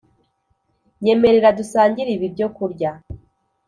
Nyemerera dusangire ibi byokurya